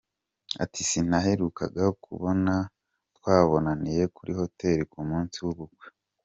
Ati “Sinaherukaga kubabona, twabonaniye kuri Hotel ku munsi w’ubukwe.